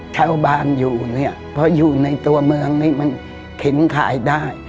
เช่าบ้านอยู่เนี่ยเพราะอยู่ในตัวเมืองนี่มันเข็นขายได้